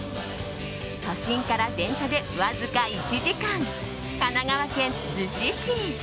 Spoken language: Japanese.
都心から電車でわずか１時間神奈川県逗子市。